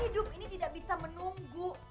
hidup ini tidak bisa menunggu